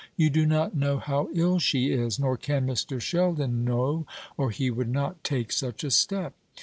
"You do not know how ill she is nor can Mr. Sheldon know, or he would not take such a step.